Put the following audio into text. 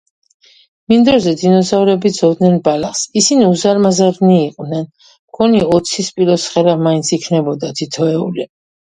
მინდორზე დინოზავრები ძოვდნენ ბალახს. ისინი უზარმაზარნი იყვნენ. მგონი, ოცი სპილოსხელა მაინც იქნებოდა თითოეული.